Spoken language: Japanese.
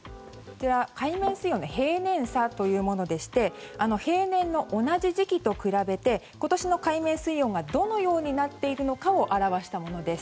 海面水温の平年差というものでして平年の同じ時期と比べて今年の海面水温がどのようになっているのかを表したものです。